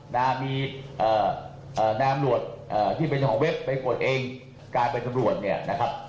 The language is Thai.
นะมีเอ่อนายอำรวจที่เป็นหอเว็บไปกดเองการเป็นตำรวจเนี่ยนะครับ